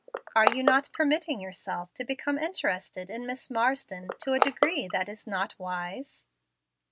Are you not permitting yourself to become interested in Miss Marsden to a degree that is not wise?"